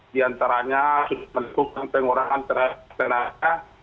diantaranya menekukkan pengurangan terhadap